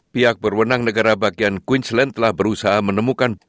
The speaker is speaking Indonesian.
pihak berwenang negara bagian queensland telah berusaha menemukan